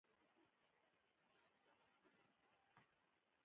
سارتر او مرلوپونتې د هوسرل له فکره اغېزمن شوي دي.